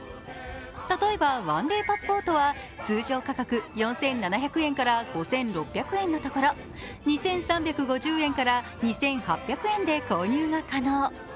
例えばワンデーパスポートは通常価格４７００円から５６００円のところ２３５０円から２８００円で購入が可能。